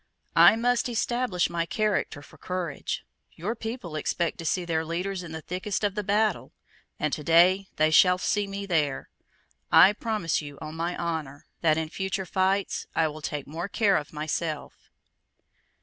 "I must establish my character for courage. Your people expect to see their leaders in the thickest of the battle; and to day they shall see me there. I promise you, on my honour, that in future fights I will take more care of myself."